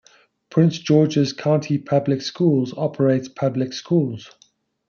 Prince George's County Public Schools operates public schools.